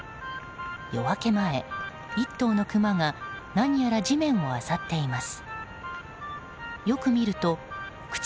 夜明け前、１頭のクマが何やら地面をあさっています。